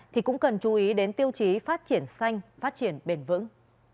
thì cũng cần chú ý đến tiêu chí phát triển xanh phát triển bền vững